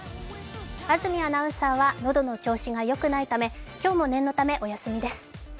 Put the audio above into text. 安住アナウンサーは喉の調子がよくないため今日も念のためお休みです。